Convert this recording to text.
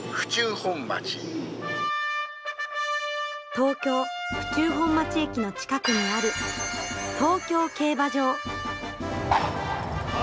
東京・府中本町駅の近くにある東京競馬場。